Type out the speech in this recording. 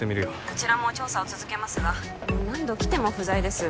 ☎こちらも調査を続けますが何度来ても不在です